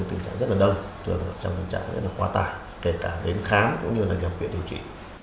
tình trạng rất là đông thường trong tình trạng rất là quá tải kể cả đến khám cũng như là nhập viện điều trị